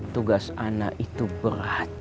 tugas anak itu berat